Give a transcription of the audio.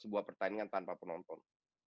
sebuah pertandingan tanpa penonton